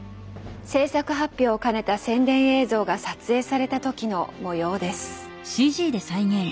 製作発表を兼ねた宣伝映像が撮影された時の模様です。